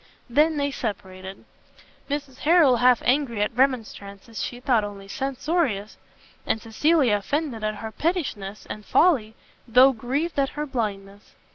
They then separated; Mrs Harrel half angry at remonstrances she thought only censorious, and Cecilia offended at her pettishness and folly, though grieved at her blindness.